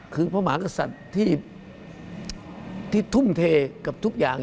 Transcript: คือพระมหากษัตริย์ที่ทุ่มเทกับทุกอย่าง